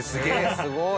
すごい。